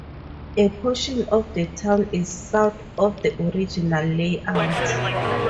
A portion of the town is south of the original layout.